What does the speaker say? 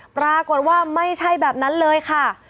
ปรากฏว่าไม่ใช่แบบนั้นเลยค่ะ